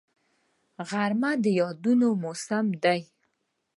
غرمه د یادونو موسم دی